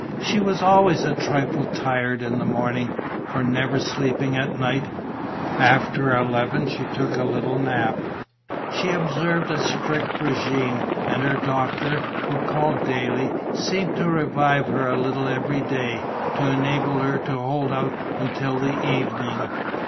She was always a trifle tired in the mornings, from never sleeping at night; after eleven she took a little nap. She observed a strict régime; and her doctor, who called daily, seemed to revive her a little every day, to enable her to hold out until the evening.